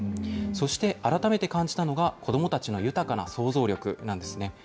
そして改めて感じたのが、子どもたちの豊かな想像力なんですね。